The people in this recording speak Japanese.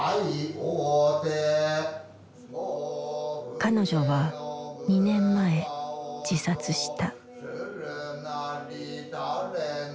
彼女は２年前自殺した。